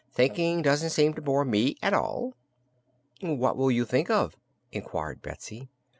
Thinking doesn't seem to bore me at all." "What will you think of?" inquired Betsy.